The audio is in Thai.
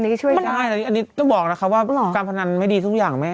อันนี้ก็ช่วยบ้างอันนี้ก็บอกนะครับว่าการพนันไม่ดีทุกอย่าง